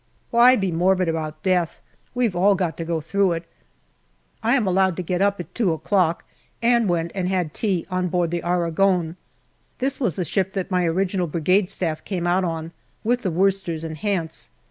Why be morbid about death ? We've all got to go through it. I am allowed to get up at two o'clock, and went and had tea on board the Aragon. This was the ship that my original Brigade Staff came out on, with the Worcesters and Hants.